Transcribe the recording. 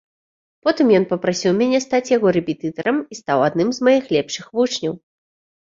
Потым ён папрасіў мяне стаць яго рэпетытарам і стаў адным з маіх лепшых вучняў.